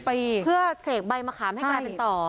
เป็นพระรูปนี้เหมือนเคี้ยวเหมือนกำลังทำปากขมิบท่องกระถาอะไรสักอย่าง